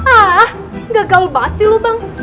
ah gak galbasi lu bang